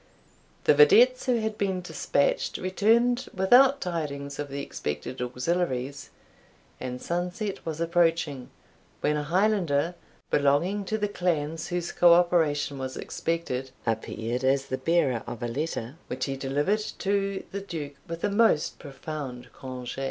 The videttes who had been despatched returned without tidings of the expected auxiliaries, and sunset was approaching, when a Highlander belonging to the clans whose co operation was expected, appeared as the bearer of a letter, which he delivered to the Duke with a most profound conge'.